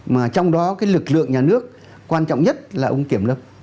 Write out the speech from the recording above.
mà trong đó cái lực lượng nhà nước quan trọng nhất là ông kiểm lâm